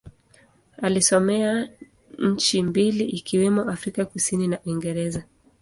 Alisomea nchi mbili ikiwemo Afrika Kusini na Uingereza.